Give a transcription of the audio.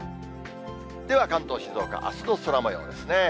では、関東、静岡、あすの空もようですね。